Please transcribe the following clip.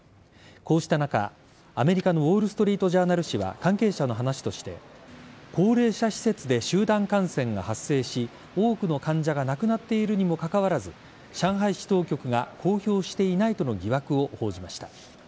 こうした中、アメリカのウォール・ストリート・ジャーナル紙は関係者の話として高齢者施設で集団感染が発生し多くの患者が亡くなっているにもかかわらず上海市当局が公表していないとの疑惑を報じました。